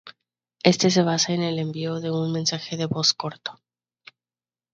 Este se basa en el envío de un mensaje de voz corto.